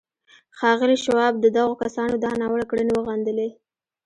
ښاغلي شواب د دغو کسانو دا ناوړه کړنې وغندلې